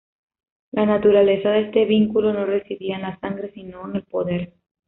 La naturaleza de este vínculo no residía en la sangre, sino en el poder.